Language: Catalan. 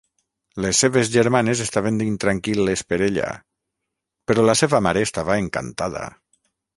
Les seves germanes estaven intranquil·les per ella, però la seva mare estava encantada.